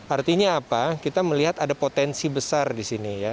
artinya apa kita melihat ada potensi besar disini ya